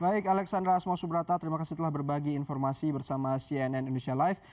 baik alexandra asma subrata terima kasih telah berbagi informasi bersama cnn indonesia live